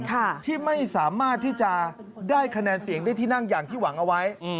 ค่ะที่ไม่สามารถที่จะได้คะแนนเสียงได้ที่นั่งอย่างที่หวังเอาไว้